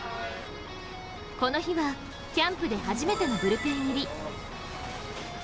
この日はキャンプで初めてのブルペン入り。